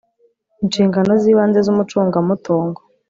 inshingano z ibanze z umucungamutungo